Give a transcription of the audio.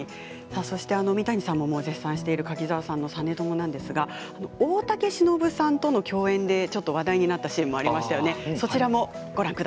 三谷さんも絶賛している柿澤さんの実朝なんですが大竹しのぶさんとの共演で話題になったシーンがあります。